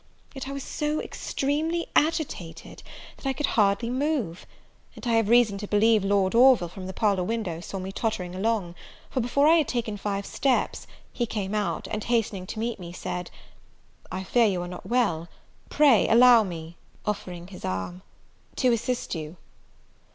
Yet I was so extremely agitated, that I could hardly move; and I have reason to believe Lord Orville, from the parlour window, saw me tottering along; for, before I had taken five steps, he came out, and, hastening to meet me, said, "I fear you are not well; pray, allow me (offering his arm) to assist you."